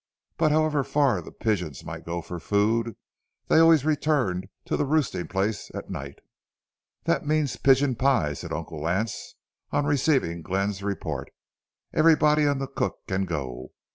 But however far the pigeons might go for food, they always returned to the roosting place at night. "That means pigeon pie," said Uncle Lance, on receiving Glenn's report. "Everybody and the cook can go.